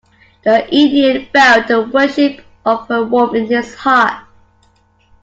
The Indian felt the worship of her warm in his heart.